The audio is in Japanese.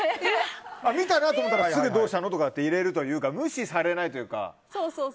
見たなって思ったらすぐどうしたの？って入れるというか無視されないというか。